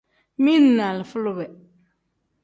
Mili ni alifa lube.